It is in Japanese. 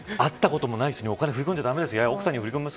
でも、会ったこともない人に振り込んじゃ駄目ですよ。